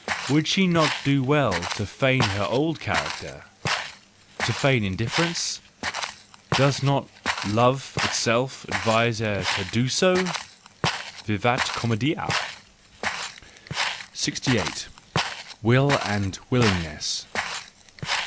Would she not do well to feign her old character? to feign indifference? Does not—love itself advise her to do so ? Vivat comcedia ! 68 . Will and Willingness